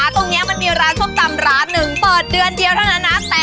ตรงนี้มันมีร้านซมตำร้านหนึ่งเปิดเดือนเท่านั้นแต่